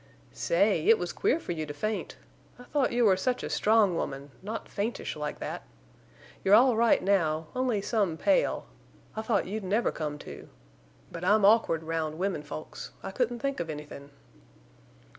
"Say! It was queer for you to faint. I thought you were such a strong woman, not faintish like that. You're all right now—only some pale. I thought you'd never come to. But I'm awkward round women folks. I couldn't think of anythin'."